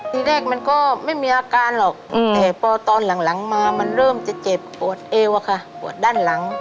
ทีแรกมันก็ไม่มีอาการหรอกแต่พอตอนหลังมามันเริ่มจะเจ็บปวดเอวอะค่ะปวดด้านหลัง